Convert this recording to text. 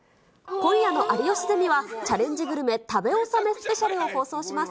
今夜の有吉ゼミは、チャレンジグルメ、食べ納めスペシャルを放送します。